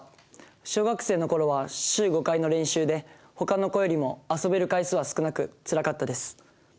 小学生の頃は週５回の練習でほかの子よりも遊べる回数は少なくつらかったです。